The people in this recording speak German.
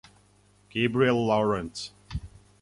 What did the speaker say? Gabriel Lawrence'.